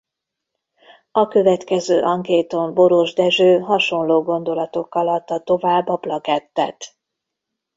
A következő ankéton Boros Dezső hasonló gondolatokkal adta tovább a plakettet.